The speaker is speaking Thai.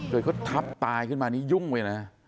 เดี๋ยวเขาทับตายขึ้นมานี่ยุ่งไว้นะ